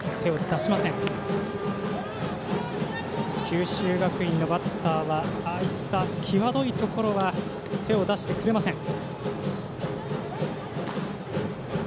九州学院のバッターはああいった際どいところは手を出してくれません。